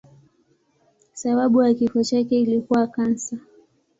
Sababu ya kifo chake ilikuwa kansa.